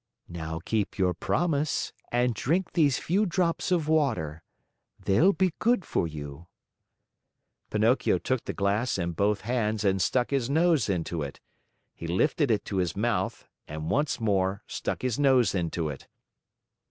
"Now keep your promise and drink these few drops of water. They'll be good for you." Pinocchio took the glass in both hands and stuck his nose into it. He lifted it to his mouth and once more stuck his nose into it.